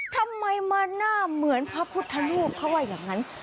ทำไมมาหน้าเหมือนพระพุทธรูปเขาว่าอย่างนั้น